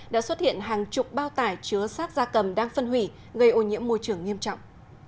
đã xuất hiện hàng chục bao tải chứa sát da cầm đang phân hủy gây ô nhiễm môi trường nghiêm trọng